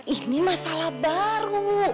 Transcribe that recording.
ini masalah baru